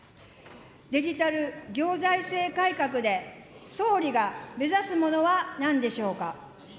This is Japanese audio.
デジタル行財政改革で、総理が目指すものはなんでしょうか。